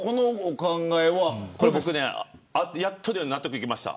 やっと納得がいきました。